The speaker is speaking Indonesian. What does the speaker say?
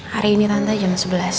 hari ini rantai jam sebelas